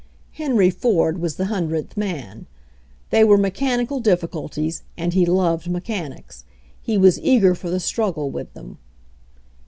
Henry Ford was the hundredth man. They were, mechanical dif ficulties, and he loved mechanics. He was eager for the struggle with them.